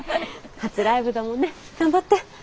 初ライブだもんね。頑張って。